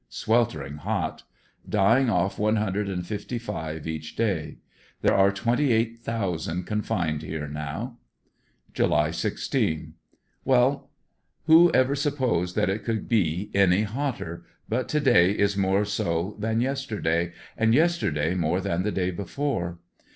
Sweltering hot Dying off one hundred and fifty five each day. There are twenty eight thousand confined here now. July 16. —Well, who ever supposed that it could be any hotter; but to day is more so than yesterdaj^ and yesterday more than the day before.